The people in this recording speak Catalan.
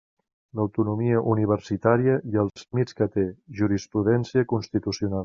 L'autonomia universitària i els límits que té: jurisprudència constitucional.